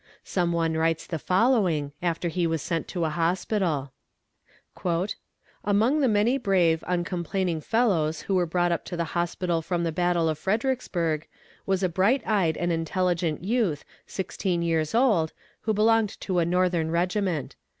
Some one writes the following, after he was sent to a hospital: "Among the many brave, uncomplaining fellows who were brought up to the hospital from the battle of Fredericksburg, was a bright eyed and intelligent youth, sixteen years old, who belonged to a northern regiment.